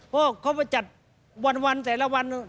เพราะเขาไปจัดวันแต่ละวัน